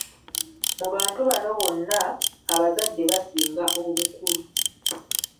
Mu bantu bano bonna, abazadde basinga obukulu.